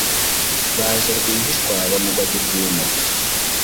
baje rwihishwa bamugwa gitumo